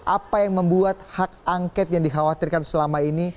apa yang membuat hak angket yang dikhawatirkan selama ini